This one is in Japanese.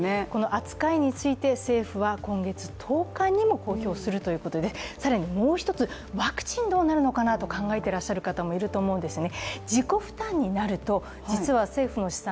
扱いについて、政府は今月１０日にも公表するということで更にもう一つ、ワクチンどうなるのかなと考えていらっしゃる方もいると思うんですね。